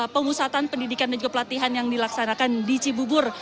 pemusatan pendidikan dan juga pelatihan yang dilaksanakan di cibubur